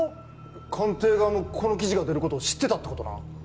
官邸側もこの記事が出ることを知ってたってことなん？